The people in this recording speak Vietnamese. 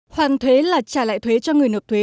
hoàn thuế là trả lại thuế cho người nộp thuế